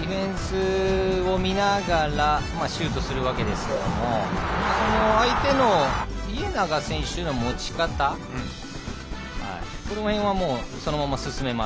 ディフェンスを見ながらシュートをするわけですけれど相手の家長選手の持ち方この辺は、そのまま進めます。